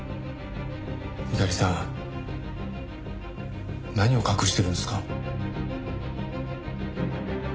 猪狩さん何を隠してるんですか？